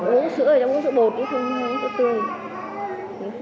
uống sữa uống sữa bột uống sữa tươi